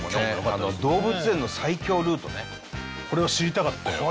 動物園の最強ルートねこれを知りたかったよ